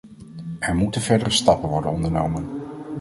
Er moeten verdere stappen worden ondernomen.